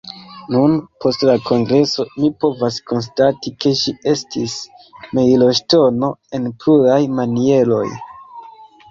Nun, post la kongreso, mi povas konstati ke ĝi estis mejloŝtono en pluraj manieroj.